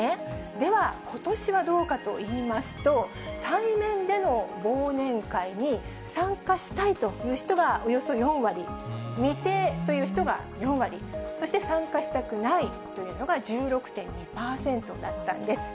では、ことしはどうかといいますと、対面での忘年会に参加したいという人がおよそ４割、未定という人が４割、そして参加したくないというのが１６．２％だったんです。